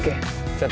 sediqah ya bang ya